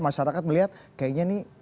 masyarakat melihat kayaknya nih